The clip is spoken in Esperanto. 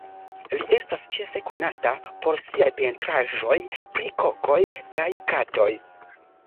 Li estas ĉefe konata por siaj pentraĵoj pri kokoj kaj katoj.